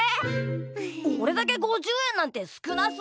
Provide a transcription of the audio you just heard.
おれだけ５０円なんて少なすぎだよ。